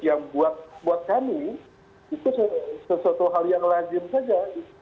yang buat kami itu sesuatu hal yang lazim saja